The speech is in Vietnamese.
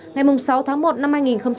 ngày sáu tháng một năm hai nghìn hai mươi